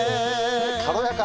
軽やか。